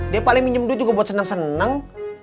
dia paling minjem duit juga buat seneng seneng